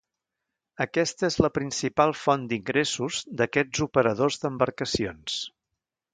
Aquesta és la principal font d'ingressos d'aquests operadors d'embarcacions.